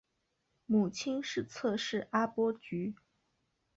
母亲是侧室阿波局。